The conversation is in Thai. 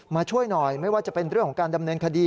ช่วยหน่อยไม่ว่าจะเป็นเรื่องของการดำเนินคดี